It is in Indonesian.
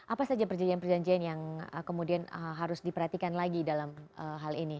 apa saja perjanjian perjanjian yang kemudian harus diperhatikan lagi dalam hal ini